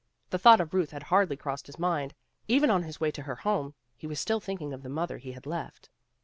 The thought of Ruth had hardly crossed his mind. Even on his way to her home, he was still thinking of the mother he had left.